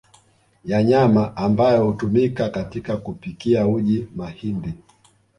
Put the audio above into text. ya nyama ambayo hutumika katika kupikia uji mahindi